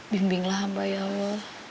bimbinglah abah ya allah